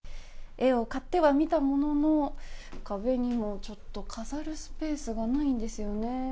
絵を買ってはみたものの、壁には飾るスペースがないんですよね。